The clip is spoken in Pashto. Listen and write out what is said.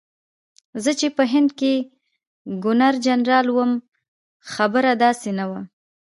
زه چې په هند کې ګورنرجنرال وم خبره داسې نه وه.